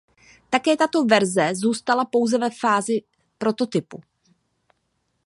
Také tato verze zůstala pouze ve fázi prototypu.